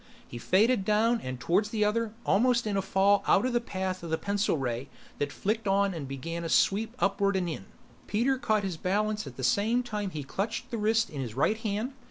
He faded down and toward the other, almost in a fall out of the path of the pencil ray that flicked on and began a sweep upward and in. Peter caught his balance at the same time he clutched the wrist in his right hand.